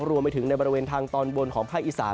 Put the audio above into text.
รวมไปถึงในบริเวณทางตอนบนของภาคอีสาน